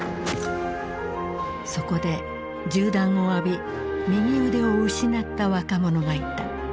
そこで銃弾を浴び右腕を失った若者がいた。